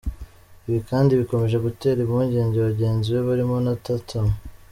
Ibi kandi bikomeje gutera impungenge bagenzi be barimo na Tatum.